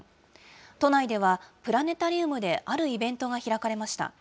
都内ではプラネタリウムであるイベントが開かれました。